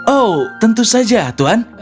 oh tentu saja tuan